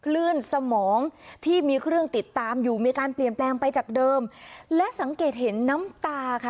คลื่นสมองที่มีเครื่องติดตามอยู่มีการเปลี่ยนแปลงไปจากเดิมและสังเกตเห็นน้ำตาค่ะ